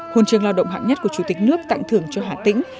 hồn trường lao động hạng nhất của chủ tịch nước tặng thưởng cho hà tĩnh